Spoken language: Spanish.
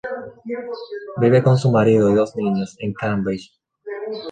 Vive con su marido y dos niños en Cambridge.